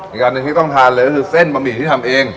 อีกอันหนึ่งที่ต้องทานเลยก็คือเส้นบะหมี่ที่ทำเอง